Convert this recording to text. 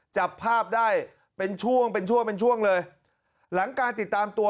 จับภาพได้เป็นช่วงเลยหลังการติดตามตัว